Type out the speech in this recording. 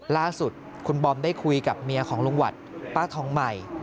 ล่าสุดคุณบอมได้คุยกับเมียของลุงหวัดป้าทองใหม่